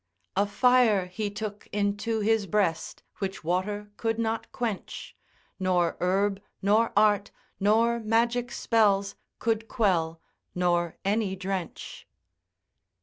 A fire he took into his breast, Which water could not quench. Nor herb, nor art, nor magic spells Could quell, nor any drench.